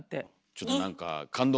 ちょっと何かはい。